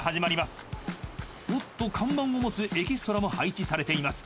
［おっと看板を持つエキストラも配置されています］